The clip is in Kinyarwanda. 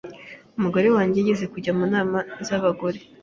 umugore wanjye yigeze kujya mu nama z’abagore